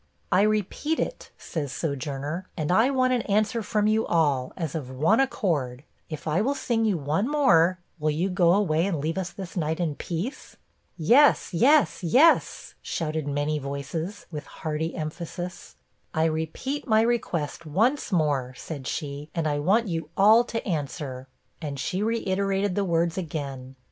'I repeat it,' says Sojourner, 'and I want an answer from you all, as of one accord. If I will sing you one more, will you go away, and leave us this night in peace?' 'Yes, yes, yes,' shouted many voices, with hearty emphasis. 'I repeat my request once more,' said she, 'and I want you all to answer.' And she reiterated the words again.